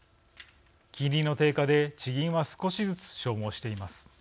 金利の低下で地銀は少しずつ消耗しています。